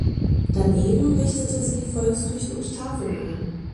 Daneben richtete sie Volksküchen und Tafeln ein.